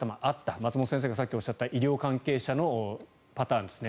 松本先生がさっきおっしゃった医療従事者のパターンですね。